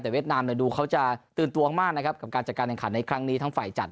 แต่เวียดนามดูเขาจะตื่นตัวมากนะครับกับการจัดการแข่งขันในครั้งนี้ทั้งฝ่ายจัด